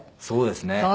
そうですね。